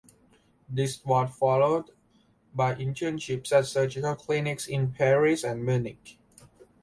This was followed by internships at surgical clinics in Paris and Munich.